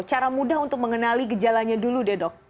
cara mudah untuk mengenali gejalanya dulu deh dok